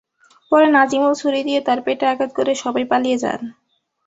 পরে নাজিমুল ছুরি দিয়ে তাঁর পেটে আঘাত করে সবাই পালিয়ে যান।